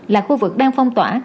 là khu vực đang phong tỏa